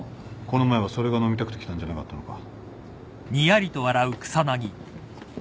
この前はそれが飲みたくて来たんじゃなかったのか？